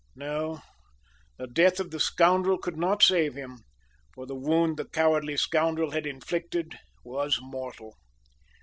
No; the death of the scoundrel could not save him, for the wound the cowardly scoundrel had inflicted was mortal.